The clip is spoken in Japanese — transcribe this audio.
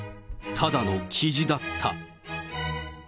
ただのキジだった。